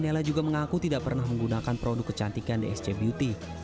nela juga mengaku tidak pernah menggunakan produk kecantikan dsc beauty